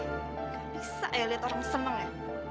gak bisa ya liat orang semang ya